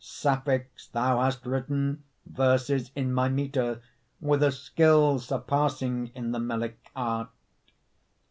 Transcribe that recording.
Sapphics thou hast written, Verses in my metre, With a skill surpassing In the melic art.